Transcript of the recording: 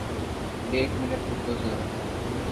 ایک منٹ رکو زرا